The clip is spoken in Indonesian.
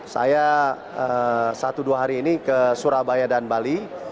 saya satu dua hari ini ke surabaya dan bali